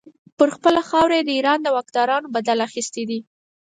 پر خپله خاوره یې د ایران د واکدارانو بدل اخیستی دی.